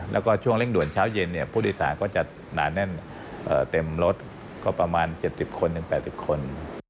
แล้วก็ช่วงเร่งด่วนเช้าเย็นผู้โดยสารก็จะหนาแน่นเต็มรถก็ประมาณ๗๐คนถึง๘๐คน